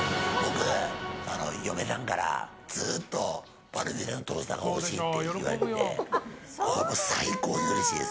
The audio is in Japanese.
嫁さんからずっとバルミューダのトースターが欲しいって言われてて最高にうれしいです。